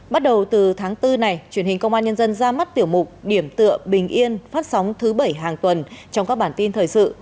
bắt đầu từ tháng bốn này truyền hình công an nhân dân ra mắt tiểu mục điểm tựa bình yên phát sóng thứ bảy hàng tuần trong các bản tin thời sự